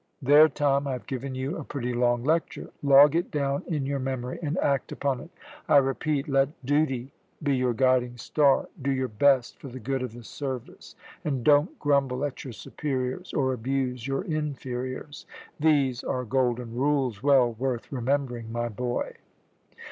There, Tom, I have given you a pretty long lecture; log it down in your memory, and act upon it. I repeat let Duty be your guiding star; do your best for the good of the service, and don't grumble at your superiors or abuse your inferiors. These are golden rules well worth remembering, my boy."